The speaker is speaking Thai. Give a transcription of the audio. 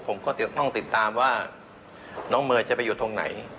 ผมก็ต้องติดตามว่าน้องเมย์จะไปอยู่ตรงไหน